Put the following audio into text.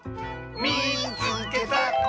「みいつけた！」。